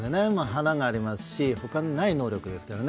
華がありますし他にない能力ですから。